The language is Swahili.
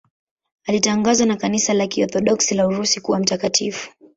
Alitangazwa na Kanisa la Kiorthodoksi la Urusi kuwa mtakatifu.